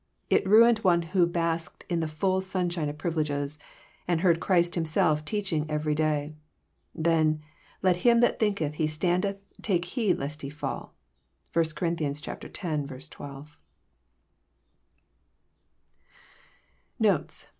It ruined one who basked in the full sunshine of privileges, and heard Christ Himself teaching every day. Then ^' let him that thinketh he standeth take heed lest he fall." (1 Cor. x. 12.) Notes.